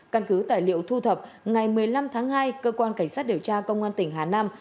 căn cứ tài liệu thu thập ngày một mươi năm tháng hai cơ quan cảnh sát điều tra công an tỉnh hà nam